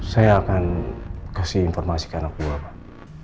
saya akan kasih informasi ke anak buah pak